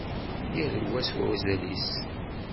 Yal wa s wazal-is.